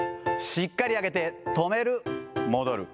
しっかり上げて、止める、戻る。